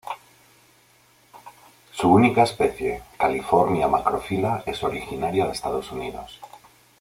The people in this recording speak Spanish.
Su única especie: "California macrophylla" es originaria de Estados Unidos.